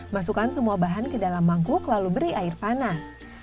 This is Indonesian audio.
masukkan semua bahan ke dalam mangkuk lalu beri air panas